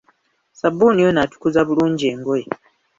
Ssabbuni ono atukuza bulungi engoye!